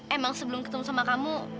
emang sebelum ketemu sama kamu